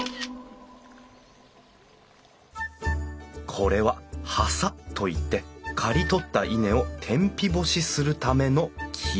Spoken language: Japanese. これは「はさ」といって刈り取った稲を天日干しするための木。